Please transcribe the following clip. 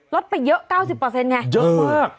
ลดไปเยอะ๙๐ไงเยอะมาก